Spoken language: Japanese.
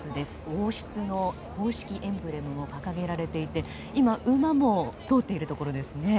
王室の公式エンブレムも掲げられていて今、馬も通っているところですね。